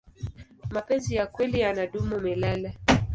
mapenzi ya kweli yanadumu milele